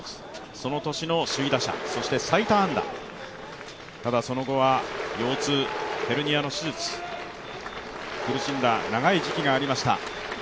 その年の首位打者、そして最多安打、ただその後は腰痛、ヘルニアの手術、苦しんだ長い時期がありました。